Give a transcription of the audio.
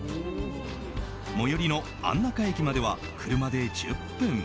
最寄りの安中駅までは車で１０分。